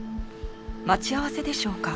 待ち合わせでしょうか？